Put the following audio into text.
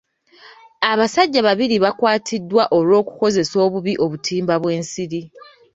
Abasajja babiri bakwatiddwa olw'okukozesa obubi obutimba bw'ensiri.